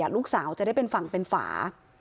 ลูกสาวจะได้เป็นฝั่งเป็นฝา